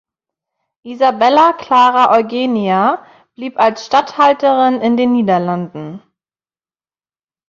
Isabella Clara Eugenia blieb als Statthalterin in den Niederlanden.